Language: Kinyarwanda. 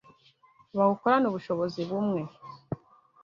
bawukorane ubushobozi bumwe